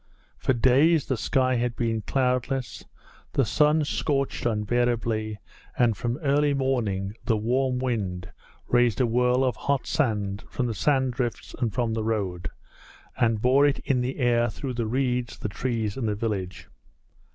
For days the sky had been cloudless, the sun scorched unbearably and from early morning the warm wind raised a whirl of hot sand from the sand drifts and from the road, and bore it in the air through the reeds, the trees, and the village.